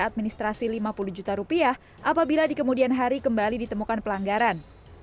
administrasi lima puluh juta rupiah apabila di kemudian hari kembali ditemukan pelanggaran